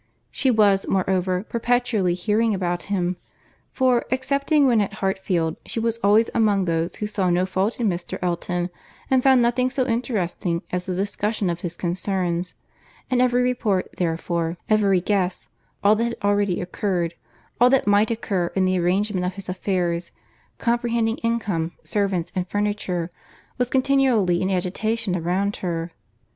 She was, moreover, perpetually hearing about him; for, excepting when at Hartfield, she was always among those who saw no fault in Mr. Elton, and found nothing so interesting as the discussion of his concerns; and every report, therefore, every guess—all that had already occurred, all that might occur in the arrangement of his affairs, comprehending income, servants, and furniture, was continually in agitation around her.